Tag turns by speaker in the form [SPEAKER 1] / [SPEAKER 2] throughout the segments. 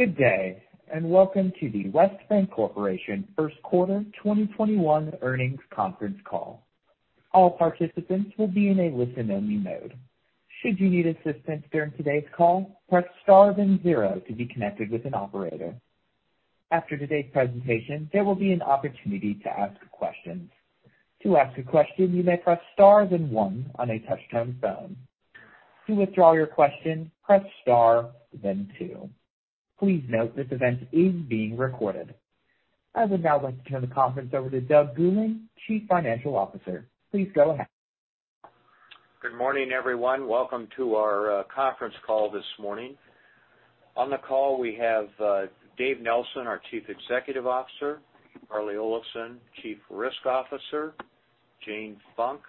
[SPEAKER 1] Good day. Welcome to the West Bancorporation first quarter 2021 earnings conference call. All participants will be in a listen-only mode. Should you need assistance during today's call, press star then zero to be connected with an operator. After today's presentation, there will be an opportunity to ask questions. To ask a question, you may press star then one on a touch-tone phone. To withdraw your question, press star then two. Please note this event is being recorded. I would now like to turn the conference over to Doug Gulling, Chief Financial Officer. Please go ahead.
[SPEAKER 2] Good morning, everyone. Welcome to our conference call this morning. On the call, we have David Nelson, our Chief Executive Officer; Harlee Olafson, Chief Risk Officer; Jane Funk,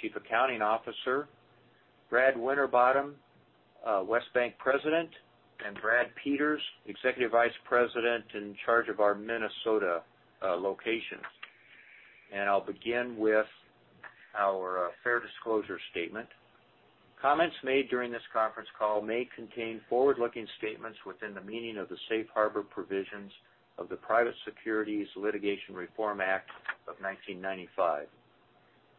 [SPEAKER 2] Chief Accounting Officer; Brad Winterbottom, West Bank President; and Brad Peters, Executive Vice President in charge of our Minnesota locations. I'll begin with our fair disclosure statement. Comments made during this conference call may contain forward-looking statements within the meaning of the Safe Harbor provisions of the Private Securities Litigation Reform Act of 1995.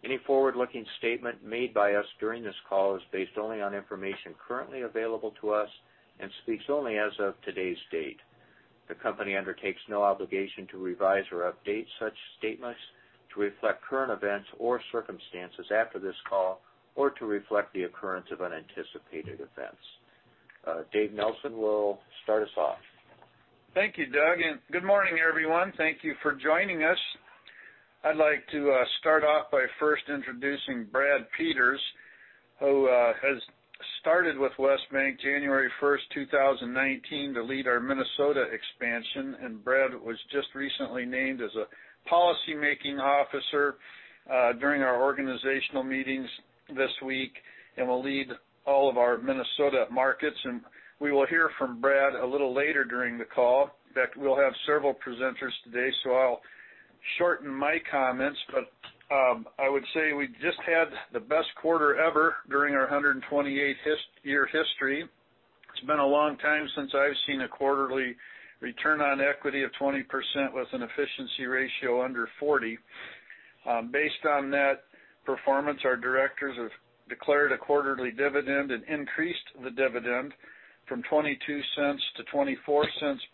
[SPEAKER 2] Any forward-looking statement made by us during this call is based only on information currently available to us and speaks only as of today's date. The company undertakes no obligation to revise or update such statements to reflect current events or circumstances after this call, or to reflect the occurrence of unanticipated events. David Nelson will start us off.
[SPEAKER 3] Thank you, Doug. Good morning, everyone. Thank you for joining us. I'd like to start off by first introducing Brad Peters, who has started with West Bank January 1st, 2019, to lead our Minnesota expansion. Brad was just recently named as a policymaking officer during our organizational meetings this week and will lead all of our Minnesota markets. We will hear from Brad a little later during the call. In fact, we'll have several presenters today, so I'll shorten my comments. I would say we just had the best quarter ever during our 128-year history. It's been a long time since I've seen a quarterly return on equity of 20% with an efficiency ratio under 40. Based on that performance, our directors have declared a quarterly dividend and increased the dividend from $0.22 to $0.24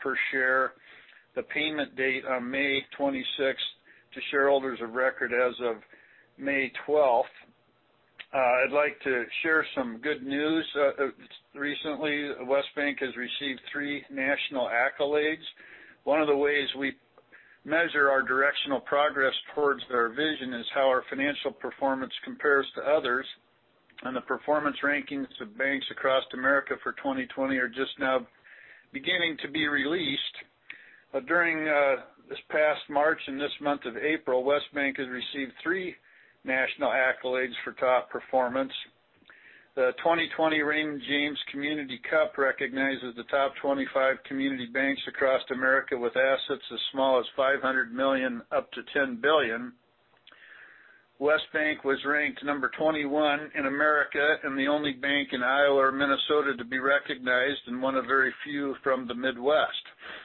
[SPEAKER 3] per share, the payment date on May 26th to shareholders of record as of May 12th. I'd like to share some good news. Recently, West Bank has received three national accolades. One of the ways we measure our directional progress towards our vision is how our financial performance compares to others, and the performance rankings of banks across America for 2020 are just now beginning to be released. During this past March and this month of April, West Bank has received three national accolades for top performance. The 2020 Raymond James Community Bankers Cup recognizes the top 25 community banks across America with assets as small as $500 million, up to $10 billion. West Bank was ranked number 21 in America and the only bank in Iowa or Minnesota to be recognized and one of very few from the Midwest. West Bank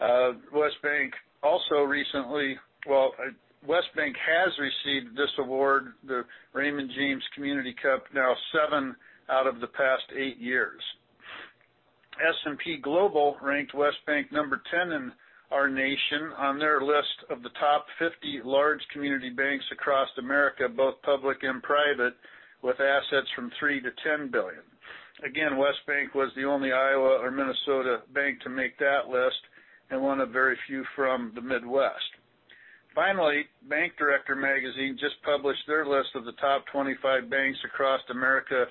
[SPEAKER 3] has received this award, the Raymond James Community Cup, now seven out of the past eight years. S&P Global ranked West Bank number 10 in our nation on their list of the top 50 large community banks across America, both public and private, with assets from $3 billion to $10 billion. Again, West Bank was the only Iowa or Minnesota bank to make that list and one of very few from the Midwest. Finally, Bank Director Magazine just published their list of the top 25 banks across America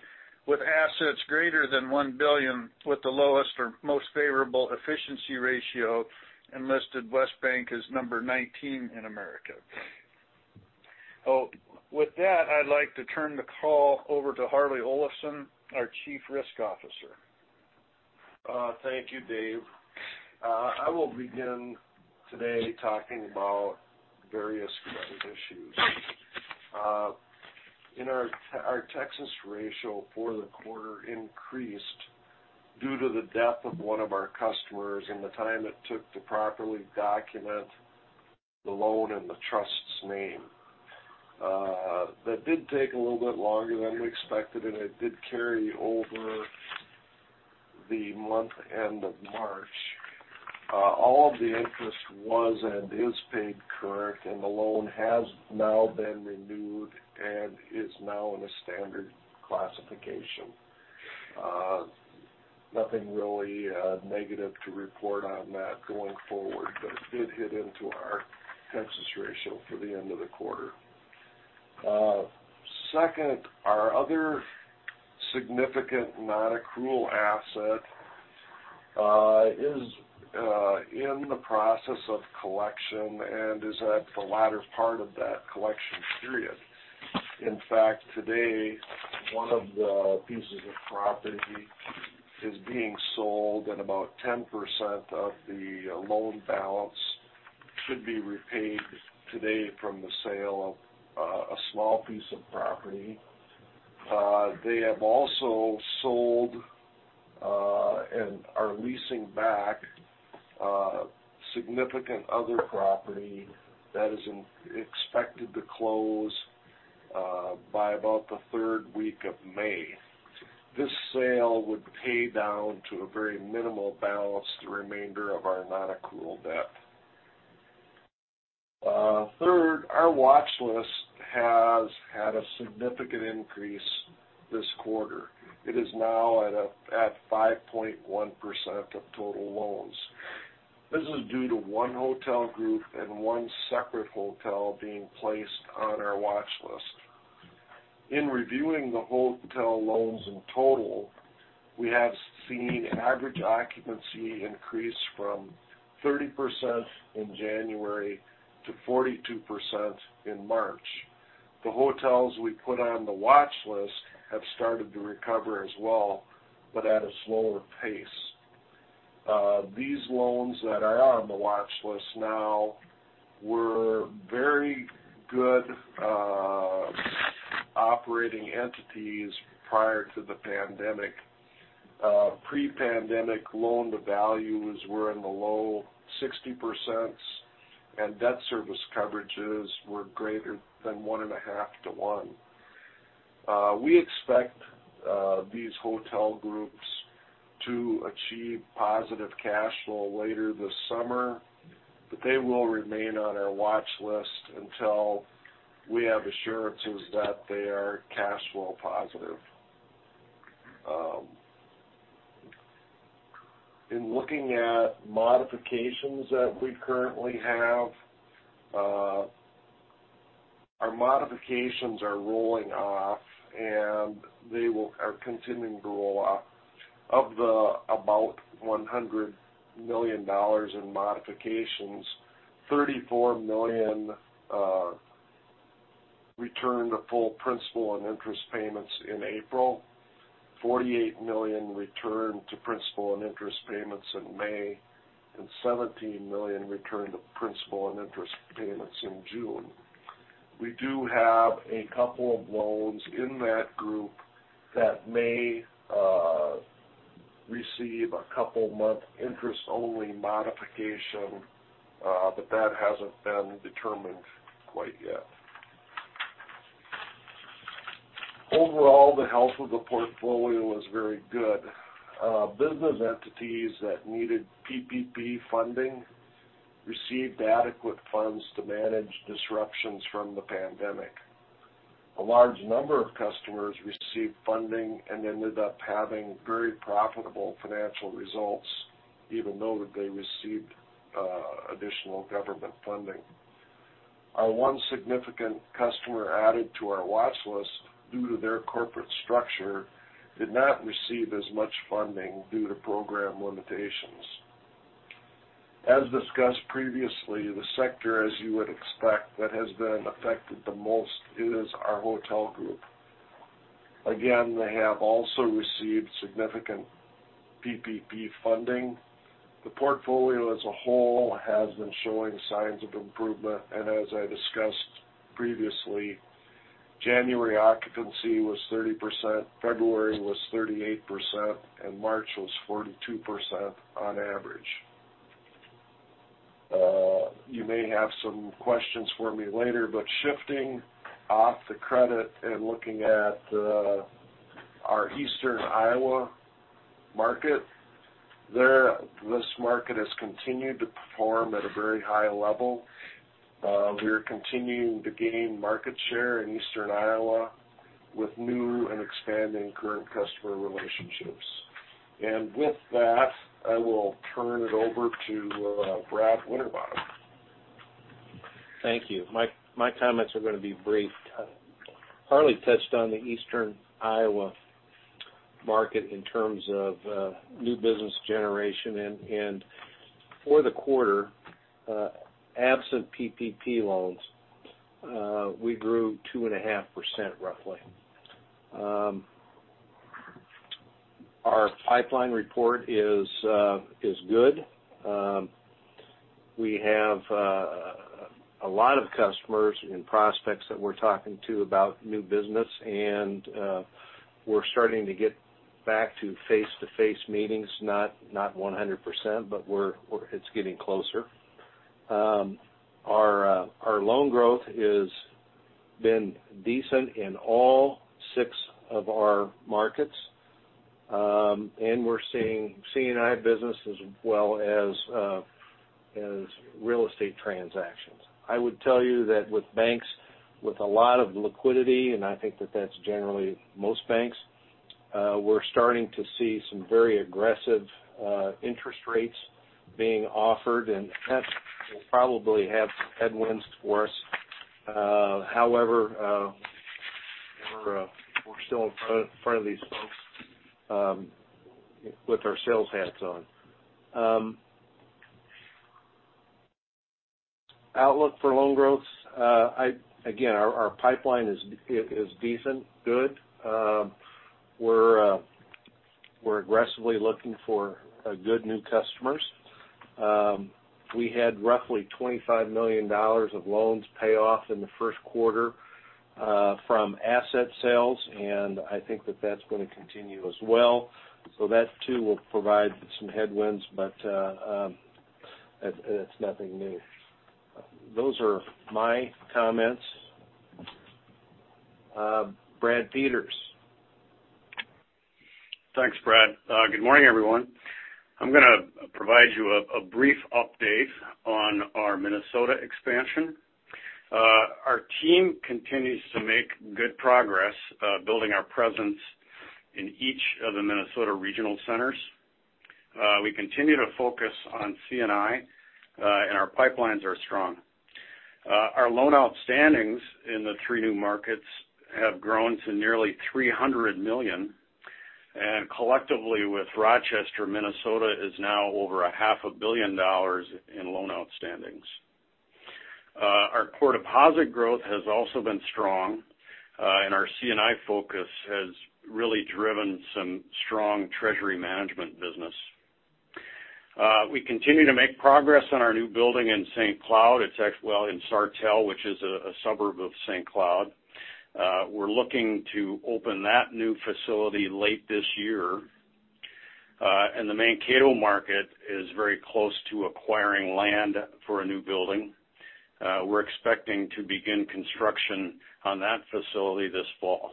[SPEAKER 3] with assets greater than $1 billion with the lowest or most favorable efficiency ratio, and listed West Bank as number 19 in America. With that, I'd like to turn the call over to Harlee Olafson, our Chief Risk Officer.
[SPEAKER 4] Thank you, Dave. I will begin today talking about various credit issues. Our Texas ratio for the quarter increased due to the death of one of our customers and the time it took to properly document the loan in the trust's name. That did take a little bit longer than we expected. It did carry over the month end of March. All of the interest was and is paid correct. The loan has now been renewed and is now in a standard classification. Nothing really negative to report on that going forward. It did hit into our Texas ratio for the end of the quarter. Second, our other significant non-accrual asset is in the process of collection and is at the latter part of that collection period. In fact, today, one of the pieces of property is being sold at about 10% of the loan balance. It should be repaid today from the sale of a small piece of property. They have also sold and are leasing back significant other property that is expected to close by about the third week of May. This sale would pay down to a very minimal balance, the remainder of our non-accrual debt. Third, our watch list has had a significant increase this quarter. It is now at 5.1% of total loans. This is due to one hotel group and one separate hotel being placed on our watch list. In reviewing the hotel loans in total, we have seen average occupancy increase from 30% in January to 42% in March. The hotels we put on the watch list have started to recover as well, but at a slower pace. These loans that are on the watch list now were very good operating entities prior to the pandemic. Pre-pandemic loan to values were in the low 60%s, and debt service coverages were greater than 1.5:1. We expect these hotel groups to achieve positive cash flow later this summer, but they will remain on our watch list until we have assurances that they are cash flow positive. In looking at modifications that we currently have, our modifications are rolling off, and they are continuing to roll off. Of the about $100 million in modifications, $34 million returned to full principal and interest payments in April, $48 million returned to principal and interest payments in May, and $17 million returned to principal and interest payments in June. We do have a couple of loans in that group that may receive a couple-month interest-only modification. That hasn't been determined quite yet. Overall, the health of the portfolio is very good. Business entities that needed PPP funding received adequate funds to manage disruptions from the pandemic. A large number of customers received funding and ended up having very profitable financial results, even though they received additional government funding. Our one significant customer added to our watch list, due to their corporate structure, did not receive as much funding due to program limitations. As discussed previously, the sector, as you would expect, that has been affected the most is our hotel group. Again, they have also received significant PPP funding. The portfolio as a whole has been showing signs of improvement, as I discussed previously, January occupancy was 30%, February was 38%, and March was 42% on average. You may have some questions for me later, shifting off the credit and looking at our Eastern Iowa market, this market has continued to perform at a very high level. We are continuing to gain market share in Eastern Iowa with new and expanding current customer relationships. With that, I will turn it over to Brad Winterbottom.
[SPEAKER 5] Thank you. My comments are going to be brief. Harlee touched on the Eastern Iowa market in terms of new business generation, and for the quarter, absent PPP loans, we grew 2.5% roughly. Our pipeline report is good. We have a lot of customers and prospects that we're talking to about new business and we're starting to get back to face-to-face meetings, not 100%, but it's getting closer. Our loan growth has been decent in all six of our markets, and we're seeing C&I business as well as real estate transactions. I would tell you that with banks with a lot of liquidity, and I think that that's generally most banks, we're starting to see some very aggressive interest rates being offered, and that will probably have some headwinds for us. However, we're still in front of these folks with our sales hats on. Outlook for loan growth, again, our pipeline is decent, good. We're aggressively looking for good new customers. We had roughly $25 million of loans pay off in the first quarter from asset sales, and I think that that's going to continue as well. That too will provide some headwinds, but that's nothing new. Those are my comments. Brad Peters.
[SPEAKER 6] Thanks, Brad. Good morning, everyone. I'm going to provide you a brief update on our Minnesota expansion. Our team continues to make good progress building our presence in each of the Minnesota regional centers. We continue to focus on C&I. Our pipelines are strong. Our loan outstandings in the three new markets have grown to nearly $300 million. Collectively with Rochester, Minnesota is now over $0.5 billion In loan outstandings. Our core deposit growth has also been strong. Our C&I focus has really driven some strong treasury management business. We continue to make progress on our new building in St. Cloud, well, in Sartell, which is a suburb of St. Cloud. We're looking to open that new facility late this year. The Mankato market is very close to acquiring land for a new building. We're expecting to begin construction on that facility this fall.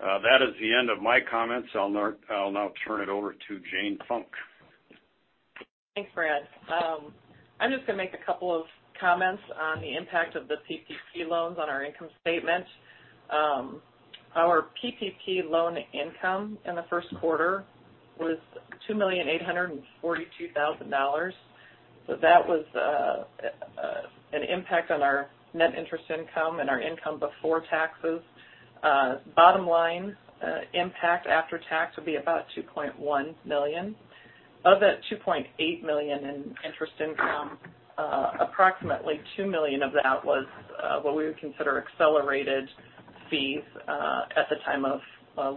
[SPEAKER 6] That is the end of my comments. I'll now turn it over to Jane Funk.
[SPEAKER 7] Thanks, Brad. I'm just going to make a couple of comments on the impact of the PPP loans on our income statement. Our PPP loan income in the first quarter was $2.842 million. That was an impact on our net interest income and our income before taxes. Bottom line, impact after tax would be about $2.1 million. Of that $2.8 million in interest income, approximately $2 million of that was what we would consider accelerated fees at the time of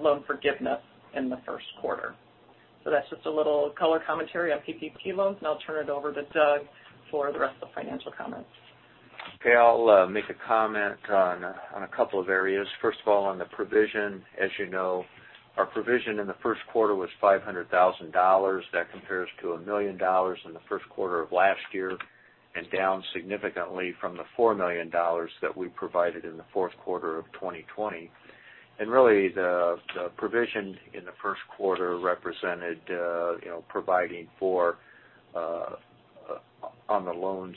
[SPEAKER 7] loan forgiveness in the first quarter. That's just a little color commentary on PPP loans, and I'll turn it over to Doug for the rest of the financial comments.
[SPEAKER 2] Okay. I'll make a comment on a couple of areas. First of all, on the provision. As you know, our provision in the first quarter was $500,000. That compares to $1 million in the first quarter of last year and down significantly from the $4 million that we provided in the fourth quarter of 2020. Really, the provision in the first quarter represented providing for on the loan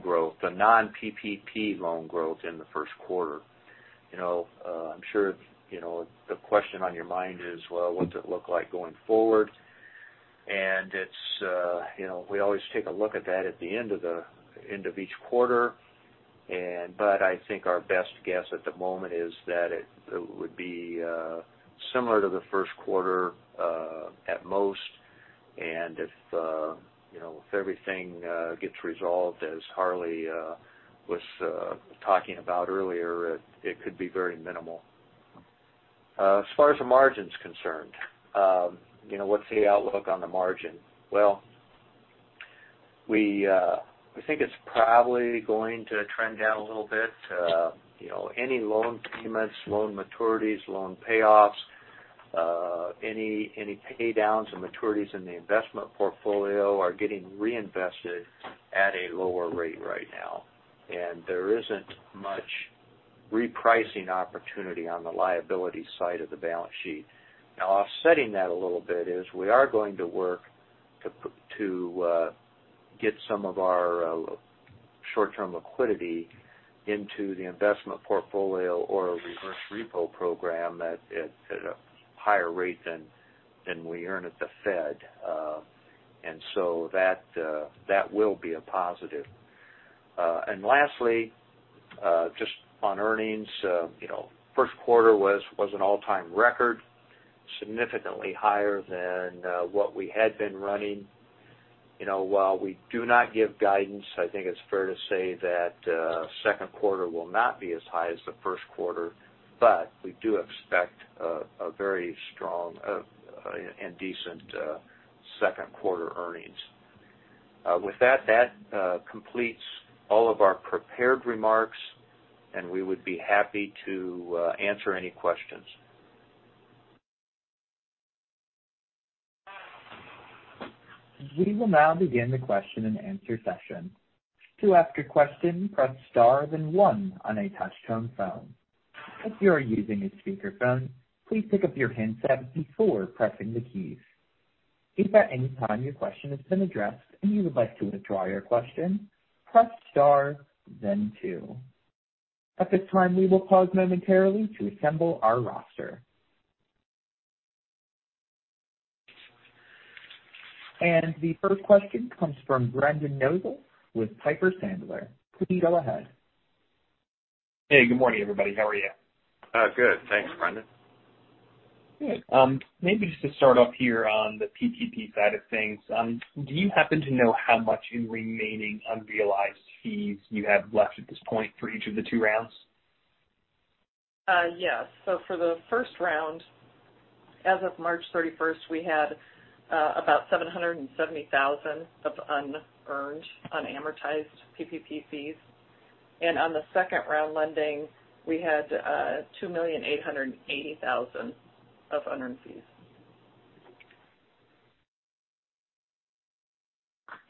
[SPEAKER 2] growth, the non-PPP loan growth in the first quarter. I'm sure the question on your mind is, well, what's it look like going forward? We always take a look at that at the end of each quarter. I think our best guess at the moment is that it would be similar to the first quarter at most. If everything gets resolved as Harlee was talking about earlier, it could be very minimal. As far as the margin's concerned, what's the outlook on the margin? Well, we think it's probably going to trend down a little bit. Any loan payments, loan maturities, loan payoffs, any pay downs or maturities in the investment portfolio are getting reinvested at a lower rate right now. There isn't much repricing opportunity on the liability side of the balance sheet. Now, offsetting that a little bit is we are going to work to get some of our short-term liquidity into the investment portfolio or a reverse repo program at a higher rate than we earn at the Fed. That will be a positive. Lastly, just on earnings, first quarter was an all-time record, significantly higher than what we had been running. While we do not give guidance, I think it's fair to say that second quarter will not be as high as the first quarter, but we do expect a very strong and decent second quarter earnings. With that completes all of our prepared remarks, and we would be happy to answer any questions.
[SPEAKER 1] We will now begin the question and answer session. To ask a question, press star, then one on a touch-tone phone. If you are using a speakerphone, please pick up your handset before pressing the keys. If at any time your question has been addressed and you would like to withdraw your question, press star, then two. At this time, we will pause momentarily to assemble our roster. The first question comes from Brendan Nosal with Piper Sandler. Please go ahead.
[SPEAKER 8] Hey, good morning, everybody. How are you?
[SPEAKER 2] Good. Thanks, Brendan.
[SPEAKER 8] Good. Maybe just to start off here on the PPP side of things. Do you happen to know how much in remaining unrealized fees you have left at this point for each of the two rounds?
[SPEAKER 7] Yes. For the first round, as of March 31st, we had about $770,000 of unearned, unamortized PPP fees. On the second round lending, we had $2.880 million of unearned fees.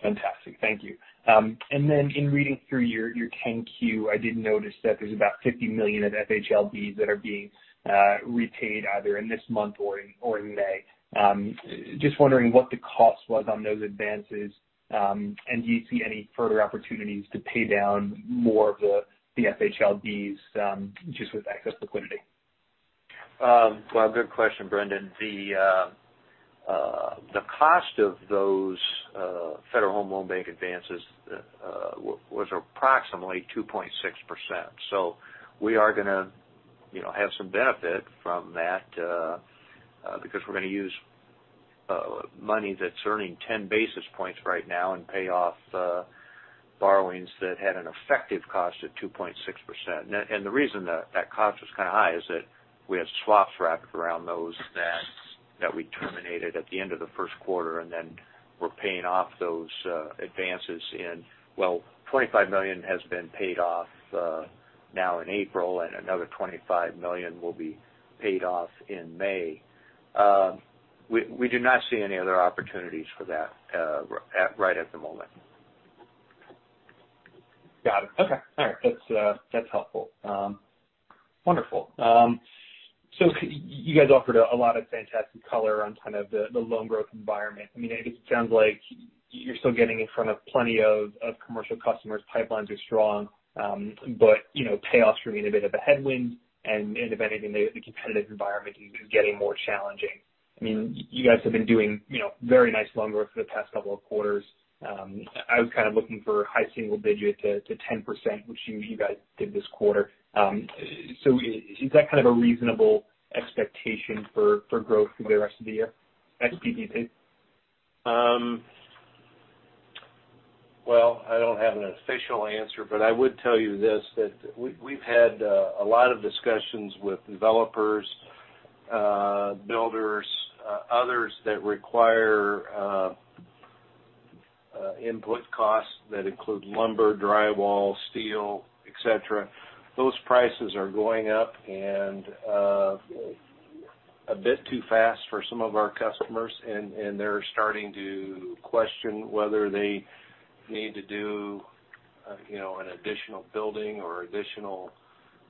[SPEAKER 8] Fantastic. Thank you. Then in reading through your 10-Q, I did notice that there's about $50 million of FHLBs that are being repaid either in this month or in May. Just wondering what the cost was on those advances. Do you see any further opportunities to pay down more of the FHLBs just with excess liquidity?
[SPEAKER 2] Well, good question, Brendan. The cost of those Federal Home Loan Bank advances was approximately 2.6%. We are going to have some benefit from that because we're going to use money that's earning 10 basis points right now and pay off borrowings that had an effective cost of 2.6%. The reason that cost was kind of high is that we had swaps wrapped around those that we terminated at the end of the first quarter, and then we're paying off those advances, well, $25 million has been paid off now in April, and another $25 million will be paid off in May. We do not see any other opportunities for that right at the moment.
[SPEAKER 8] Got it. Okay. All right. That's helpful. Wonderful. You guys offered a lot of fantastic color on kind of the loan growth environment. It sounds like you're still getting in front of plenty of commercial customers. Pipelines are strong. Payoffs are being a bit of a headwind, and if anything, the competitive environment is getting more challenging. You guys have been doing very nice loan growth for the past couple of quarters. I was kind of looking for high single-digit to 10%, which you guys did this quarter. Is that kind of a reasonable expectation for growth through the rest of the year as PPP?
[SPEAKER 2] Well, I don't have an official answer, but I would tell you this, that we've had a lot of discussions with developers, builders, others that require input costs that include lumber, drywall, steel, et cetera. Those prices are going up and a bit too fast for some of our customers, and they're starting to question whether they need to do an additional building or additional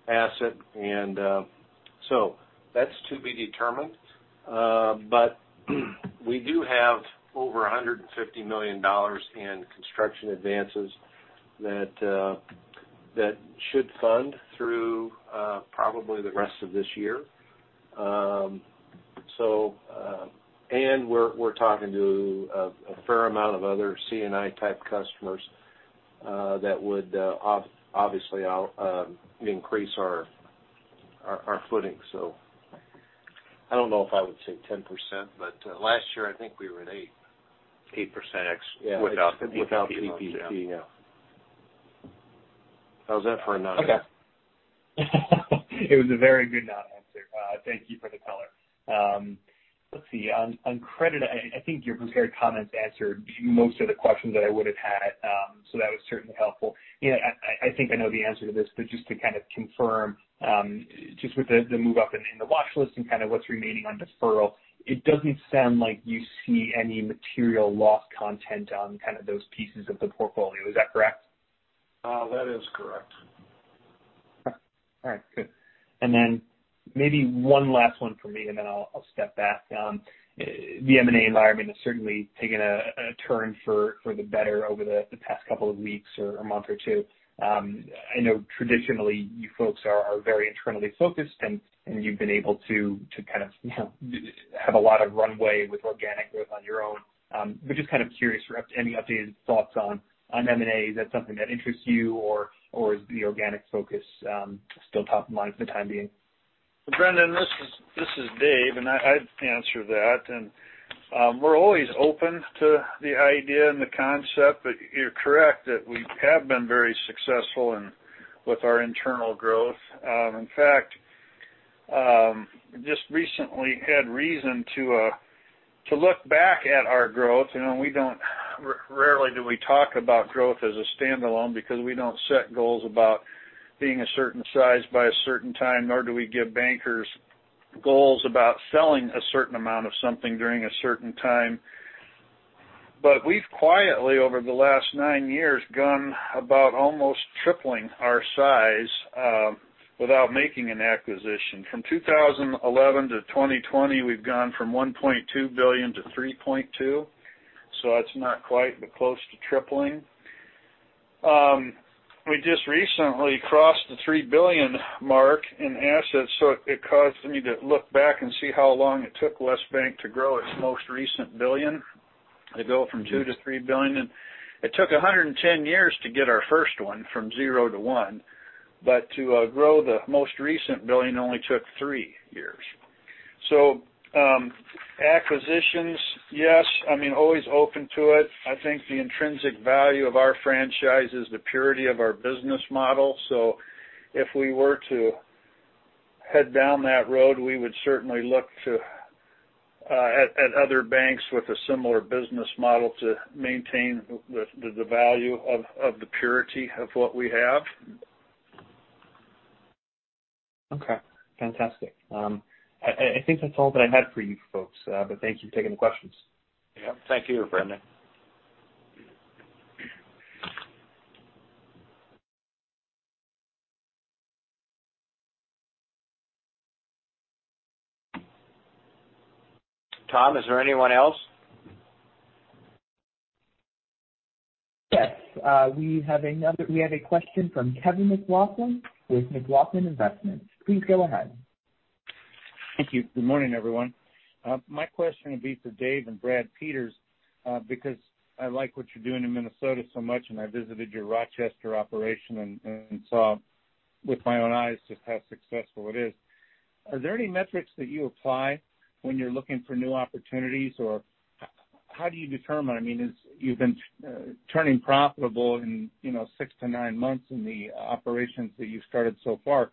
[SPEAKER 2] asset. That's to be determined. We do have over $150 million in construction advances that should fund through probably the rest of this year. We're talking to a fair amount of other C&I type customers that would obviously increase our footing. I don't know if I would say 10%, last year I think we were at 8%.
[SPEAKER 8] 8% without the PPP.
[SPEAKER 2] Without PPP, yeah. How's that for a non-answer?
[SPEAKER 8] Okay. It was a very good non-answer. Thank you for the color. Let's see. On credit, I think your prepared comments answered most of the questions that I would have had. That was certainly helpful. I think I know the answer to this. Just to kind of confirm, just with the move up in the watch list and kind of what's remaining on deferral, it doesn't sound like you see any material loss content on kind of those pieces of the portfolio. Is that correct?
[SPEAKER 2] That is correct.
[SPEAKER 8] All right, good. Maybe one last one from me, and then I'll step back. The M&A environment has certainly taken a turn for the better over the past couple of weeks or a month or two. I know traditionally you folks are very internally focused, and you've been able to kind of have a lot of runway with organic growth on your own. Just kind of curious for any updated thoughts on M&A. Is that something that interests you, or is the organic focus still top of mind for the time being?
[SPEAKER 3] Brendan, this is Dave. I'd answer that. We're always open to the idea and the concept, but you're correct that we have been very successful with our internal growth. In fact, just recently had reason to look back at our growth. Rarely do we talk about growth as a standalone because we don't set goals about being a certain size by a certain time, nor do we give bankers goals about selling a certain amount of something during a certain time. We've quietly, over the last nine years, gone about almost tripling our size without making an acquisition. From 2011 to 2020, we've gone from $1.2 billion to $3.2 billion. It's not quite, but close to tripling. We just recently crossed the $3 billion mark in assets. It caused me to look back and see how long it took West Bank to grow its most recent $1 billion, to go from $2 billion to $3 billion. It took 110 years to get our first $1 billion from zero to $1 billion. To grow the most recent $1 billion only took three years. Acquisitions, yes. Always open to it. I think the intrinsic value of our franchise is the purity of our business model. If we were to head down that road, we would certainly look at other banks with a similar business model to maintain the value of the purity of what we have.
[SPEAKER 8] Okay. Fantastic. I think that's all that I had for you folks. Thank you for taking the questions.
[SPEAKER 2] Yeah. Thank you, Brendan. Tom, is there anyone else?
[SPEAKER 1] Yes. We have a question from Kevin McLaughlin with McLaughlin Investments. Please go ahead.
[SPEAKER 9] Thank you. Good morning, everyone. My question would be for Dave and Brad Peters, because I like what you're doing in Minnesota so much, and I visited your Rochester operation and saw with my own eyes just how successful it is. Are there any metrics that you apply when you're looking for new opportunities, or how do you determine? You've been turning profitable in six to nine months in the operations that you've started so far.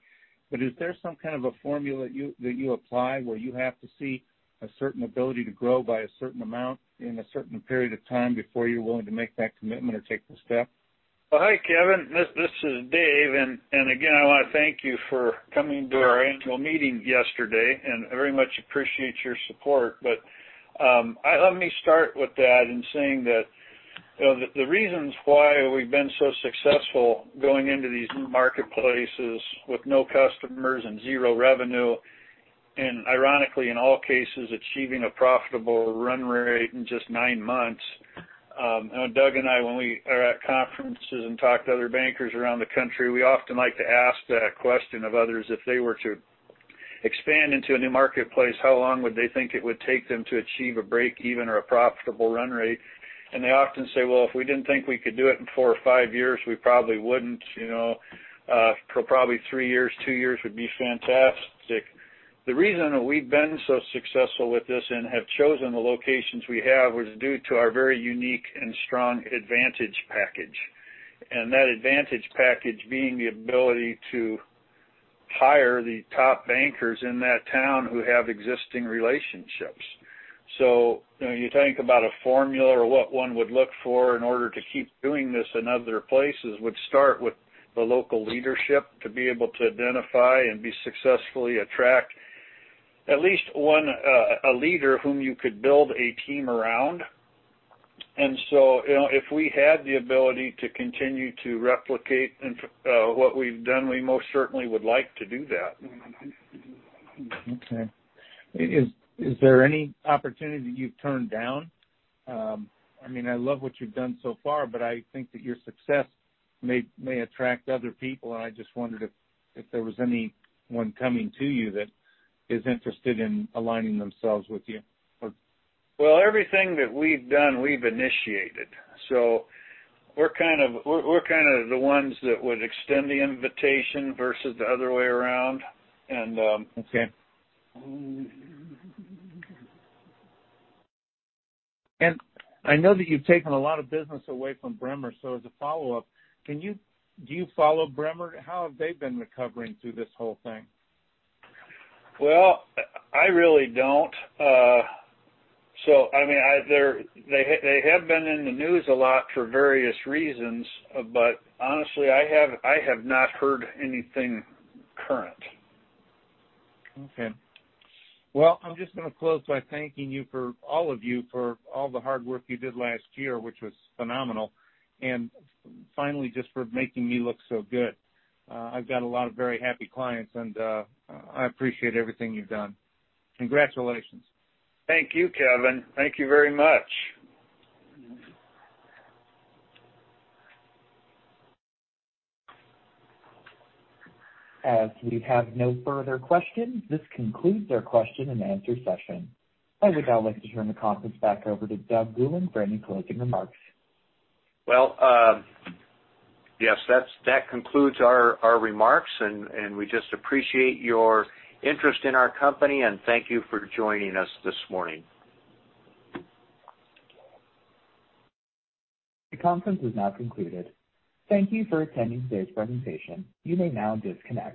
[SPEAKER 9] Is there some kind of a formula that you apply where you have to see a certain ability to grow by a certain amount in a certain period of time before you're willing to make that commitment or take the step?
[SPEAKER 3] Well, hi, Kevin. This is Dave. Again, I want to thank you for coming to our annual meeting yesterday, and I very much appreciate your support. Let me start with that in saying that the reasons why we've been so successful going into these new marketplaces with no customers and zero revenue, and ironically in all cases, achieving a profitable run rate in just nine months. Doug and I, when we are at conferences and talk to other bankers around the country, we often like to ask that question of others. If they were to expand into a new marketplace, how long would they think it would take them to achieve a break-even or a profitable run rate? They often say, "Well, if we didn't think we could do it in four or five years, we probably wouldn't. Probably three years, two years would be fantastic. The reason that we've been so successful with this and have chosen the locations we have was due to our very unique and strong advantage package. That advantage package being the ability to hire the top bankers in that town who have existing relationships. When you think about a formula or what one would look for in order to keep doing this in other places would start with the local leadership to be able to identify and successfully attract at least one leader whom you could build a team around. If we had the ability to continue to replicate what we've done, we most certainly would like to do that.
[SPEAKER 9] Okay. Is there any opportunity that you've turned down? I love what you've done so far. I think that your success may attract other people. I just wondered if there was anyone coming to you that is interested in aligning themselves with you.
[SPEAKER 3] Well, everything that we've done, we've initiated. We're kind of the ones that would extend the invitation versus the other way around.
[SPEAKER 9] Okay. I know that you've taken a lot of business away from Bremer, so as a follow-up, do you follow Bremer? How have they been recovering through this whole thing?
[SPEAKER 3] Well, I really don't. They have been in the news a lot for various reasons, honestly, I have not heard anything current.
[SPEAKER 9] Okay. Well, I'm just going to close by thanking all of you for all the hard work you did last year, which was phenomenal. Finally, just for making me look so good. I've got a lot of very happy clients, and I appreciate everything you've done. Congratulations.
[SPEAKER 3] Thank you, Kevin. Thank you very much.
[SPEAKER 1] As we have no further questions, this concludes our question and answer session. I would now like to turn the conference back over to Doug Gulling for any closing remarks.
[SPEAKER 2] Well, yes, that concludes our remarks, and we just appreciate your interest in our company, and thank you for joining us this morning.
[SPEAKER 1] The conference is now concluded. Thank you for attending today's presentation. You may now disconnect.